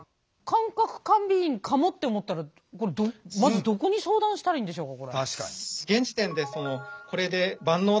感覚過敏かもって思ったらまずどこに相談したらいいんでしょうか？